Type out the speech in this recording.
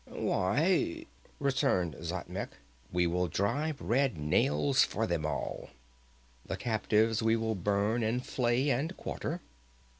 "Why," returned Xatmec, "we will drive red nails for them all. The captives we will burn and flay and quarter."